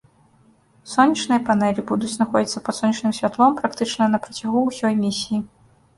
Сонечныя панэлі будуць знаходзіцца пад сонечным святлом практычна на працягу ўсёй місіі.